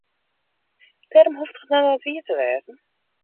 Dêrom hoecht it noch net wier te wêzen.